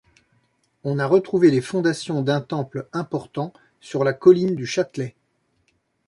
On a retrouvé les fondations d'un temple important sur la colline du Châtelet.